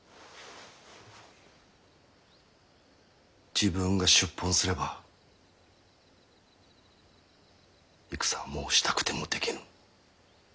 自分が出奔すれば戦はもうしたくてもできぬ。